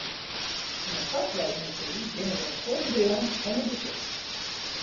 Yn 'e softwareyndustry binne in soad bedriuwen sonder gesicht.